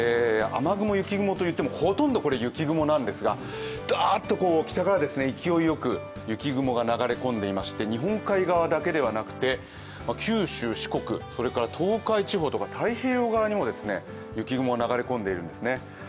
雨雲、雪雲といってもほとんど雪雲なんですが、だーっと北から勢いよく雪雲が流れ込んでいまして日本海側だけではなくて、九州、四国、それから東海地方とか太平洋側にも雪雲が流れ込んでいるんですね。